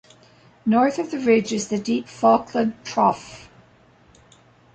North of the ridge is the deep Falkland Trough.